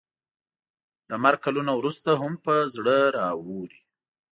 له مرګ کلونه وروسته هم په زړه راووري.